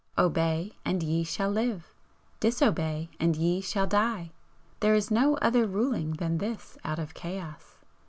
Obey and ye shall live: disobey and ye shall die! There is no other ruling than this out of Chaos!